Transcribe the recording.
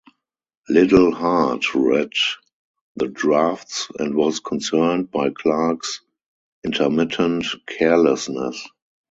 Liddell Hart read the drafts and was concerned by Clark's "intermittent carelessness".